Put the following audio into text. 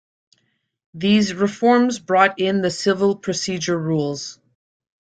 These reforms brought in the Civil Procedure Rules.